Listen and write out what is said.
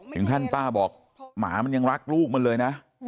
ถึงขั้นป้าบอกหมามันยังรักลูกมันเลยนะ